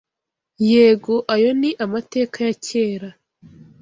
Yego, ayo ni amateka ya kera!